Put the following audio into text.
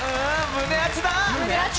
胸熱だー！